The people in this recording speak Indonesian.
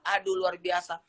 aduh luar biasa